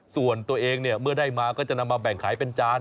ส่วนตัวเองเนี่ยเมื่อได้มาก็จะนำมาแบ่งขายเป็นจาน